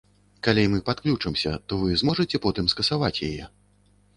Калі мы падключымся, то вы зможаце потым скасаваць яе?